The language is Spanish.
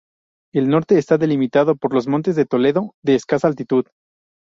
El norte está delimitado por los Montes de Toledo, de escasa altitud.